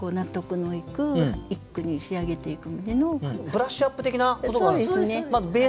ブラッシュアップ的なことがあるんですね。